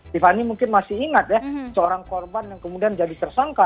tiffany mungkin masih ingat ya seorang korban yang kemudian jadi tersangka